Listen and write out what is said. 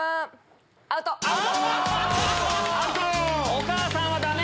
お母さんはダメ！